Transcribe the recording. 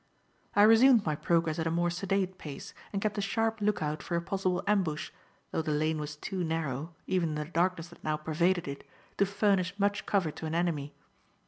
I resumed my progress at a more sedate pace and kept a sharp look out for a possible ambush, though the lane was too narrow, even in the darkness that now pervaded it, to furnish much cover to an enemy.